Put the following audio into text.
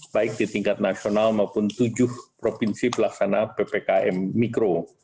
baik di tingkat nasional maupun tujuh provinsi pelaksana ppkm mikro